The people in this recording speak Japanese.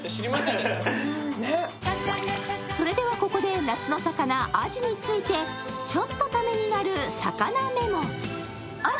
それでは、ここで夏の魚、アジについて、ちょっとためになる魚メモ。